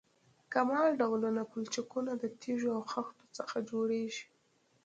کمان ډوله پلچکونه د تیږو او خښتو څخه جوړیږي